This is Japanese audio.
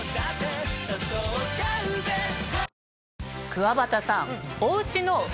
くわばたさん。